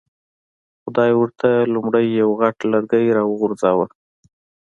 خدای ورته لومړی یو غټ لرګی را وغورځاوه.